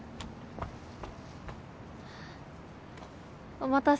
お待たせ。